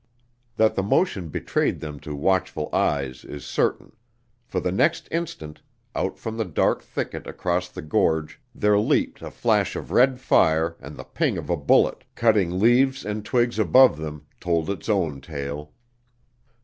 That the motion betrayed them to watchful eyes is certain, for the next instant, out from the dark thicket across the gorge there leaped a flash of red fire, and the ping of a bullet, cutting leaves and twigs above them, told its own tale.